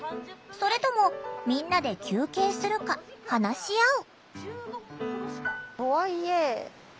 それともみんなで休憩するか話し合う。